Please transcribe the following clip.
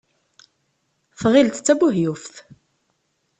Tɣileḍ d tabuheyyuft.